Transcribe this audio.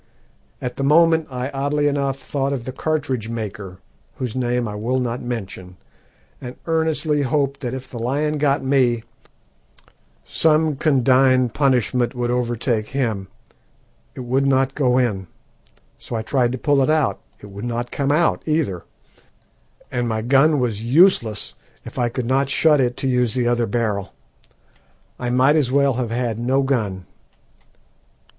At the moment I oddly enough thought of the cartridge maker, whose name I will not mention, and earnestly hoped that if the lion got me some condign punishment would overtake him. It would not go in, so I tried to pull it out. It would not come out either, and my gun was useless if I could not shut it to use the other barrel. I might as well have had no gun.